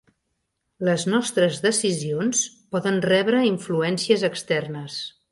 Les nostres decisions poden rebre influències externes.